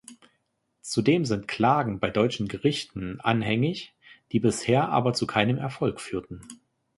Zudem sind Klagen bei deutschen Gerichten anhängig, die bisher aber zu keinem Erfolg führten.